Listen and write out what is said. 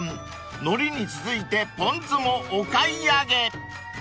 のりに続いてポン酢もお買い上げ！］